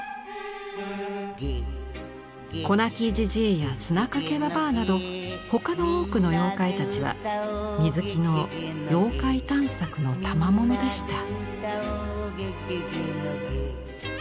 子泣きじじいや砂かけばばあなど他の多くの妖怪たちは水木の妖怪探索のたまものでした。